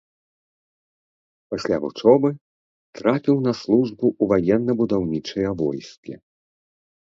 Пасля вучобы трапіў на службу ў ваенна-будаўнічыя войскі.